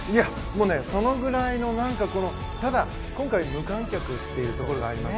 そのぐらいのただ、今回無観客というところがあります。